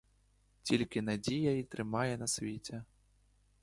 Тільки надія й тримає на світі.